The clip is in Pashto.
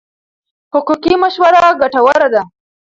حقوقي مشوره ګټوره ده.